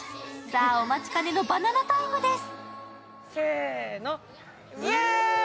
さぁ、お待ちかねのバナナタイムです。